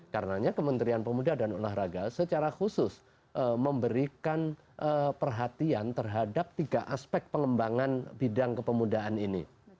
karenanya kementerian pemuda dan olahraga secara khusus memberikan perhatian terhadap tiga aspek pengembangan bidang kepemudaan ini